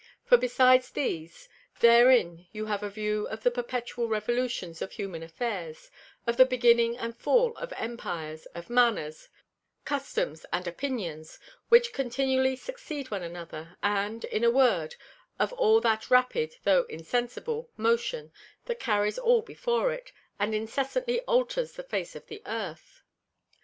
For besides these, therein you have a View of the perpetual Revolutions of Human Affairs, of the Beginning and Fall of Empires, of Manners, Customs, and Opinions which continually succeed one another; and in a word, of all that rapid, tho' insensible, Motion that carries all before it, and incessantly alters the Face of the Earth.